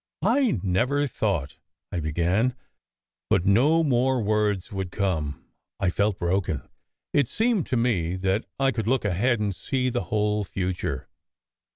"I never thought " I began; but no more words would come. I felt broken. It seemed to me that I could look ahead and see the whole future.